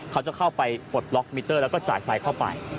เขาจะเข้าไปปลดล็อกมิเตอร์แล้วก็จ่ายไฟเข้าไป